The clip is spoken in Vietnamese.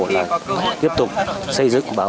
là tiếp tục xây dựng